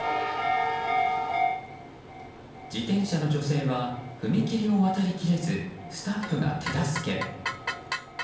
自転車の女性は踏切を渡り切れずスタッフが手助け。